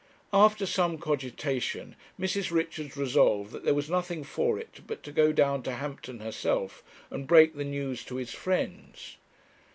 After some cogitation, Mrs. Richards resolved that there was nothing for it but to go down to Hampton herself, and break the news to his friends.